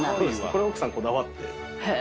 これ奥さんがこだわって。